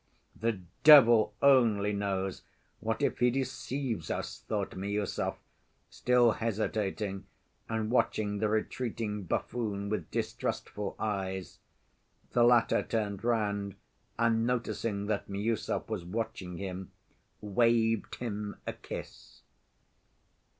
"The devil only knows, what if he deceives us?" thought Miüsov, still hesitating, and watching the retreating buffoon with distrustful eyes. The latter turned round, and noticing that Miüsov was watching him, waved him a kiss.